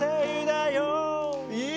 いい！